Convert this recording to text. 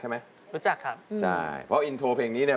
เมื่อกี้มองหมดเลย